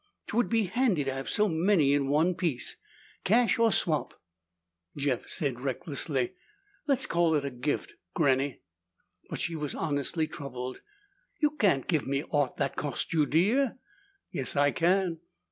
'Twould be handy to have so many in one piece. Cash or swap?" Jeff said recklessly, "Let's call it a gift, Granny." "But," she was honestly troubled, "you can't give me aught that cost you dear." "Yes I can."